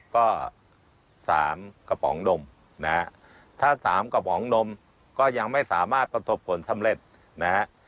ก็๓กระป๋องนมนะฮะถ้า๓กระป๋องนมก็ยังไม่สามารถประสบผลสำเร็จนะฮะ